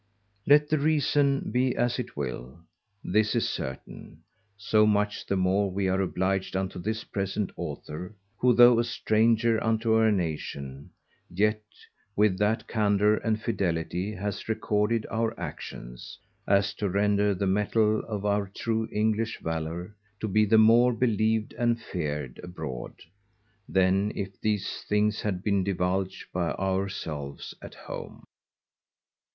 _Let the reason be as t'will; this is certain, so much the more we are obliged unto this present Author, who though a stranger unto our Nation, yet with that Candour and Fidelity hath recorded our Actions, as to render the Metal of our true English Valour to be the more believed and feared abroad, than if these things had been divulged by our selves at home.